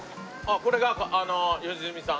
これが良純さんの。